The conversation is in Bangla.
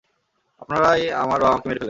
আপনারাই আমার বাবা-মাকে মেরে ফেললেন।